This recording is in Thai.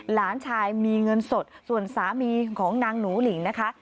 หลานชายมีเงินสดส่วนสามีของนางหนูหลิงนะคะ